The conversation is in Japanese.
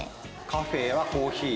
カフェはコーヒー？